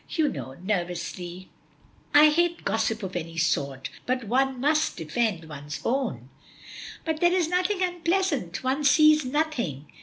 You know," nervously, "I hate gossip of any sort, but one must defend one's own." "But there is nothing unpleasant; one sees nothing.